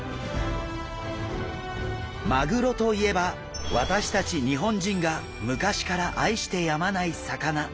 マグロといえば私たち日本人が昔から愛してやまない魚。